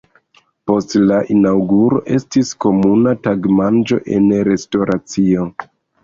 Post la inaŭguro estis komuna tagmanĝo en restoracio.